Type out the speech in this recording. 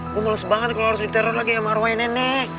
gua males banget kalo harus diteror lagi sama arwahnya nenek